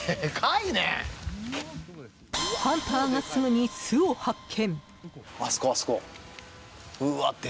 ハンターがすぐに巣を発見。